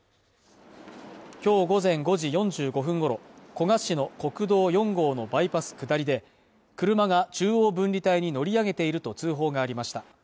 今日午前５時４５分ごろ古河市の国道４号のバイパス下りで車が中央分離帯に乗り上げていると通報がありました